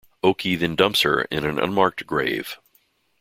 Oki then dumps her in an unmarked grave.